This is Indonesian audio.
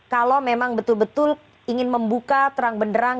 kalau memang betul betul ingin membuka terang benderang